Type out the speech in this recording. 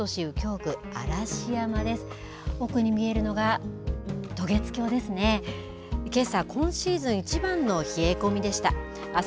京都市右京区嵐山です。